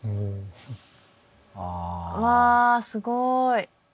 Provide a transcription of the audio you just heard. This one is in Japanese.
うわすごい。